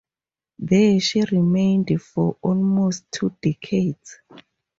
There, she remained for almost two decades.